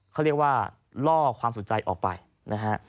เขาเรียกว่าล่อความสนใจออกไปนะฮะ